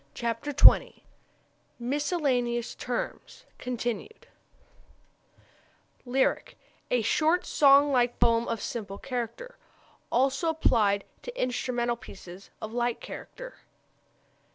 CHAPTER XX MISCELLANEOUS TERMS (Continued) Lyric a short, song like poem of simple character. Also applied to instrumental pieces of like character.